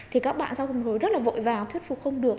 thì các bạn sau cùng rồi rất vội vào thuyết phục không được